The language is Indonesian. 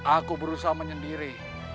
aku berusaha menyendiri